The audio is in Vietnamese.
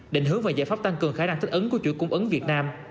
định hướng và giải pháp tăng cường khả năng thích ứng của chuỗi cung ứng việt nam